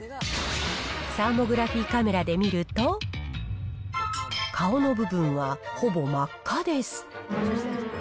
サーモグラフィカメラで見ると、顔の部分はほぼ真っ赤です。